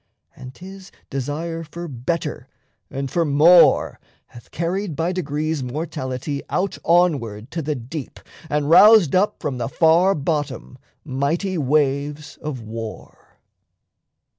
And 'tis desire for better and for more Hath carried by degrees mortality Out onward to the deep, and roused up From the far bottom mighty waves of war.